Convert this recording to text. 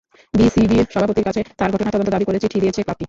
BCB সভাপতির কাছে তাই ঘটনার তদন্ত দাবি করে চিঠি দিয়েছে ক্লাবটি।